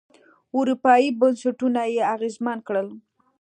اروپايي بنسټونه یې اغېزمن کړل.